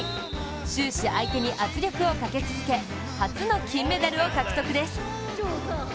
終始相手に圧力をかけ続け初の金メダルを獲得です。